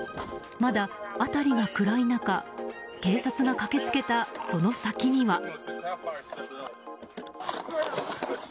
まだ辺りが暗い中警察が駆けつけた、その先には。